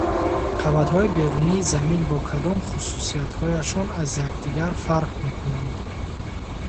Қабатҳои берунии Замин бо кадом хусусиятҳояшон аз якдигар фарқ мекунанд?